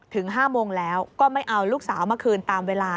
ถึง๕โมงแล้วก็ไม่เอาลูกสาวมาคืนตามเวลา